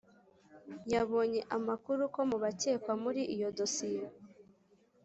yabonye amakuru ko mu bakekwa muri iyo dosiye